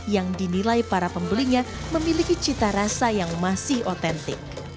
yang dinilai para pembelinya memiliki cita rasa yang masih otentik